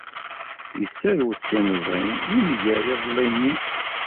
Yesserwet timẓin yemger iḍelli-nni.